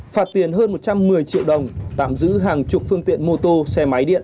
phạt tiền hơn một trăm một mươi triệu đồng tạm giữ hàng chục phương tiện mô tô xe máy điện